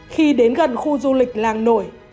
khi đến gần khu du lịch làng nổi